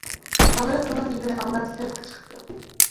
ئاغرىق ئۇنىڭ گېپىنى ئاڭلاپ سىرتقا چىقىپتۇ.